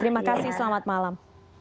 terima kasih selamat malam